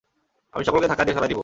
আমি সকলকে ধাক্কা দিয়া সরাইয়া দিব।